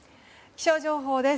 気象情報です。